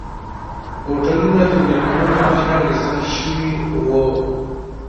هوټلونه د میلمنو لپاره ریزرف شوي وو.